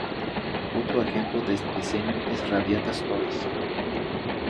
Otro ejemplo de este diseño es Radiata Stories.